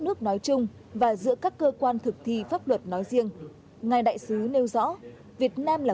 nước nói chung và giữa các cơ quan thực thi pháp luật nói riêng ngài đại sứ nêu rõ việt nam là